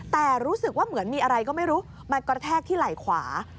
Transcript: แต่รู้สึกว่าเหมือนมีอะไรก็ไม่รู้มากระแทกที่ไหล่ขวา